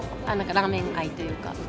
ラーメン愛というか。